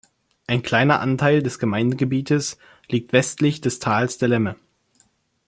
Ein kleiner Anteil des Gemeindegebietes liegt westlich des Tals der Lemme.